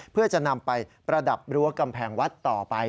เพื่อจะนำไปประดับรั้วกำแพงวัดต่อไป